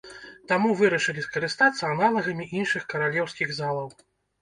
Таму вырашылі скарыстацца аналагамі іншых каралеўскіх залаў.